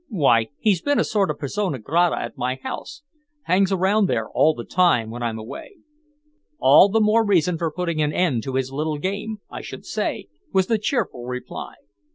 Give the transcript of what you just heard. Why, he's been a sort of persona grata at my house. Hangs around there all the time when I'm away." "All the more reason for putting an end to his little game, I should say," was the cheerful reply.